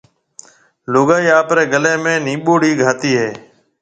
لوگائيَ آپريَ گݪيَ ۾ نيمٻوڙي گھاتيَ ھيَََ